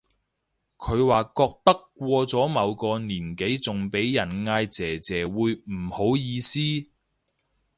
佢話覺得過咗某個年紀仲俾人嗌姐姐會唔好意思